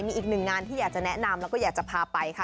มีอีกหนึ่งงานที่อยากจะแนะนำแล้วก็อยากจะพาไปค่ะ